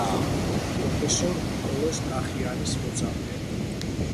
პროფესორ ნიკოლოზ კახიანის მოწაფე.